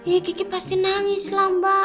ya kiki pasti nangis lah mbak